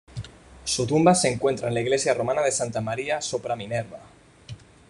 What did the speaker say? Su tumba se encuentra en la iglesia romana de Santa María sopra Minerva.